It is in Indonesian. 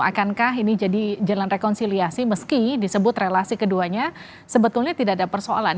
akankah ini jadi jalan rekonsiliasi meski disebut relasi keduanya sebetulnya tidak ada persoalan